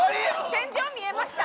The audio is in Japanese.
天井見えました。